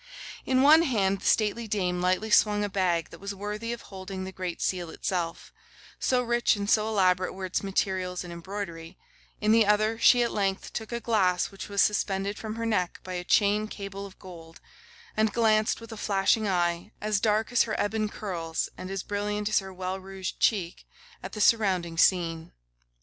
In one hand the stately dame lightly swung a bag that was worthy of holding the Great Seal itself, so rich and so elaborate were its materials and embroidery; and in the other she at length took a glass which was suspended from her neck by a chain cable of gold, and glanced with a flashing eye, as dark as her ebon curls and as brilliant as her well rouged cheek, at the surrounding scene.